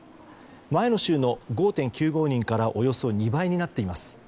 前の週の５．９５人からおよそ２倍になっています。